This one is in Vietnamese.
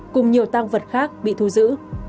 cùng nhiều tăng vật khác bị thu giữ